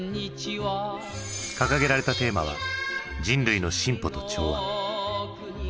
掲げられたテーマは「人類の進歩と調和」。